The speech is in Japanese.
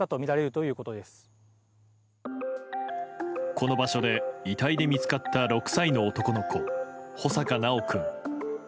この場所で遺体で見つかった６歳の男の子、穂坂修君。